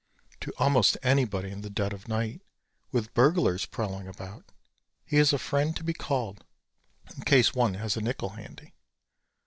To almost anybody in the dead of night with burglars prowling about, he is a friend to be called in case one has a nickel handy.